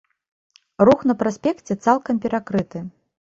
Рух на праспекце цалкам перакрыты.